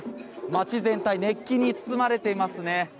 街全体熱気に包まれていますね。